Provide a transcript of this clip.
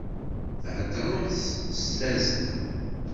Theddṛemt s tazzla.